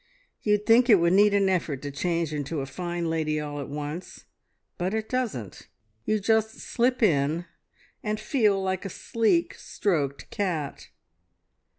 You'd think it would need an effort to change into a fine lady all at once, but it doesn't; you just slip in, and feel like a sleek, stroked cat.